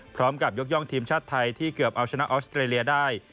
ยกย่องทีมชาติไทยที่เกือบเอาชนะออสเตรเลียได้